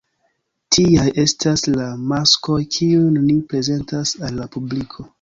Tiaj estas la maskoj kiujn ni prezentas al la publiko.